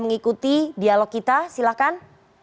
mengikuti dialog kita silahkan